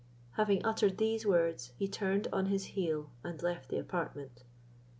Having uttered these words, he turned on his heel and left the apartment.